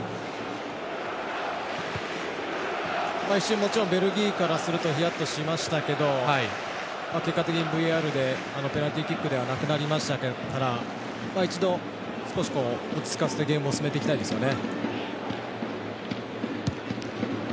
一瞬、ベルギーからするとひやっとしましたけど結果的にＶＡＲでペナルティーキックではなくなりましたから一度、少し落ち着かせてゲームを進めていきたいですよね。